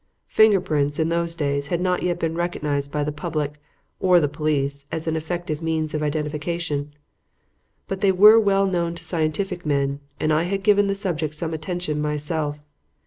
Finger prints, in those days, had not yet been recognized by the public or the police as effective means of identification. But they were well known to scientific men and I had given the subject some attention myself.